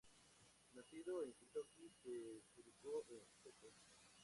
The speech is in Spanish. Nacido en Kentucky, se educó en St.